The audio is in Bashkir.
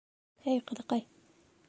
— Эй, ҡыҙыҡай!